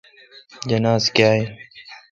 جناز کاں این۔